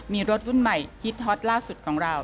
มีรถรุ่นใหม่ฮิตฮอตล่าสุดของเรา